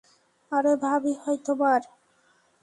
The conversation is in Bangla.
আরে ভাবী হয় তোমার।